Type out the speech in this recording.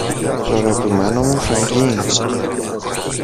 Το αγαπημένο μου φαγί!